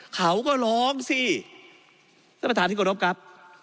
เขาก็ร้องสิท่านประธานที่กรบครับ